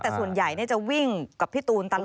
แต่ส่วนใหญ่จะวิ่งกับพี่ตูนตลอด